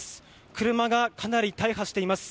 車がかなり大破しています。